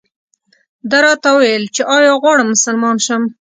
ده راته وویل چې ایا غواړم مسلمان شم.